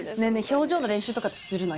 表情練習とかってするの？